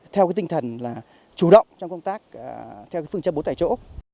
theo tinh thần chủ động trong công tác theo phương chấp bố tại chỗ